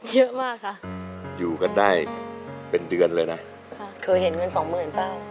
เยอะมากค่ะอยู่กันได้เป็นเดือนเลยนะค่ะเคยเห็นเงินสองหมื่นเปล่า